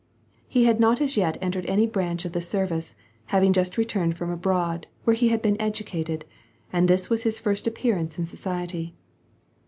He had not as yet entered any branch of the service, having just returned from abroad, where he had been educated, and this was his first appearance in society.